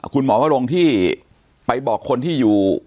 คุณหมอว่าลงที่ไปบอกคนที่อยู่